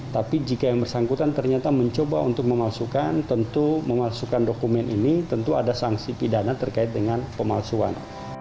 tapi jika yang bersangkutan ternyata mencoba untuk memasukkan tentu memasukkan dokumen ini tentu ada sanksi pidana terkait dengan pemalsuan